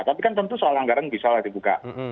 tapi kan tentu soal anggaran bisa lah dibuka